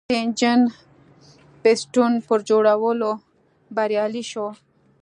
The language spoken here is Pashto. د انجن پېسټون پر جوړولو بریالی شو.